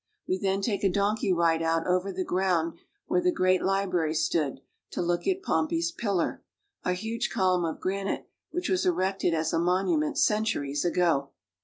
We then take a donkey ride out over the ground where the great li brary stood to look at Pom pey's pillar, a huge column of granite which was erected as a monument centurie s ago.